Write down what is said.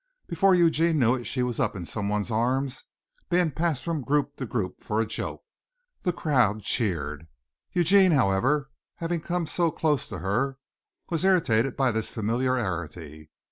Before Eugene knew it she was up in someone's arms being passed from group to group for a joke. The crowd cheered. Eugene, however, having come so close to her, was irritated by this familiarity.